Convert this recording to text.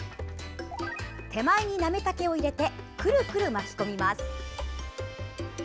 手前になめたけを入れてくるくる巻き込みます。